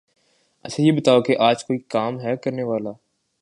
اچھا یہ بتاؤ کے آج کوئی کام ہے کرنے والا؟